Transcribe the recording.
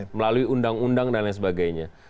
melalui undang undang dan lain sebagainya